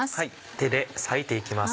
手で割いて行きます。